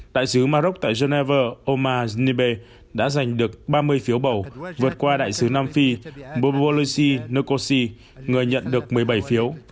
đại sứ maroc tại geneva omar snever đã giành được ba mươi phiếu bầu vượt qua đại sứ nam phi bobolosi nkosi người nhận được một mươi bảy phiếu